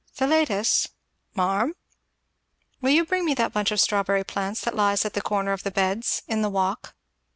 "Philetus " "Marm!" "Will you bring me that bunch of strawberry plants that lies at the corner of the beds, in the walk?